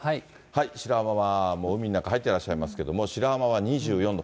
白浜は海の中に入っていらっしゃいますけど、白浜は２４度。